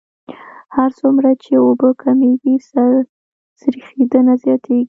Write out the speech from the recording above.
هر څومره چې اوبه کمیږي سریښېدنه زیاتیږي